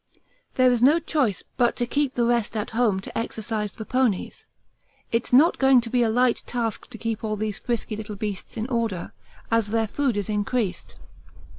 There is no choice but to keep the rest at home to exercise the ponies. It's not going to be a light task to keep all these frisky little beasts in order, as their food is increased.